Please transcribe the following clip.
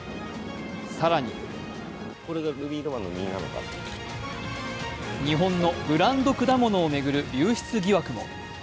更に、日本のブランド果物を巡る流出疑惑も。